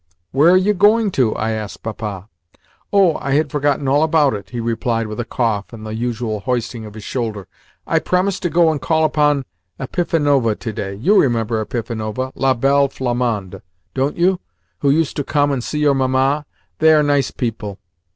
"Where are you going to?" I asked Papa. "Oh, I had forgotten all about it!" he replied, with a cough and the usual hoisting of his shoulder. "I promised to go and call upon Epifanova to day. You remember Epifanova 'la belle Flamande' don't you, who used to come and see your Mamma? They are nice people."